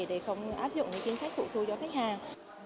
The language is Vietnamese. để không áp dụng chính sách phụ thu cho khách hàng